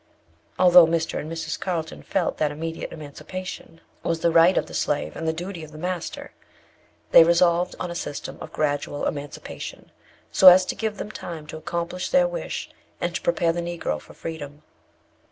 Although Mr. and Mrs. Carlton felt that immediate emancipation was the right of the slave and the duty of the master, they resolved on a system of gradual emancipation, so as to give them time to accomplish their wish, and to prepare the Negro for freedom.